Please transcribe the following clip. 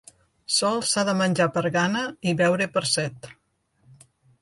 Sols s'ha de menjar per gana i beure per set.